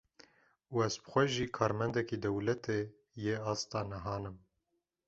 Û ez bi xwe jî karmendekî dewletê yê asta nehan im.